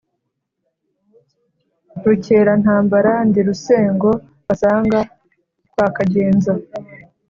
rukerantambara ndi rusengo basanga kwa kagenza.